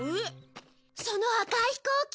その赤い飛行機。